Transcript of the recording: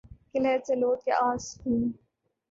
کہ لحد سے لوٹ کے آسکھوں